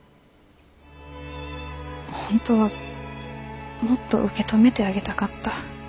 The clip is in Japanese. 本当はもっと受け止めてあげたかった。